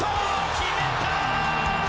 決めた！